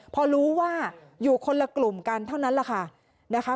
พอรู้ว่าอยู่คนละกลุ่มกันเท่านั้นแหละค่ะนะคะ